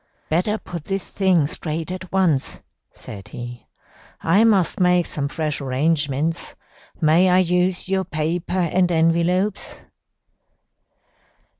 "'Better put this thing straight at once,' said he. 'I must make some fresh arrangements. May I use your paper and envelopes?'